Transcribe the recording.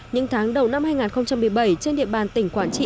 những tháng đầu năm hai nghìn một mươi bảy trên địa bàn tỉnh quảng trị